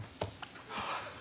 ああ。